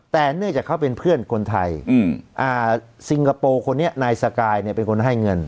แต่เนื่องจากเขาเป็นเพื่อนคนไทยซิงคโปร์คนนี้นายสกายเนี่ยเป็นคนให้เงิน